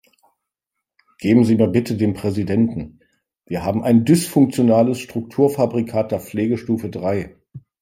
Geben Sie mir bitte den Präsidenten, wir haben ein dysfunktionales Strukturfabrikat der Pflegestufe drei.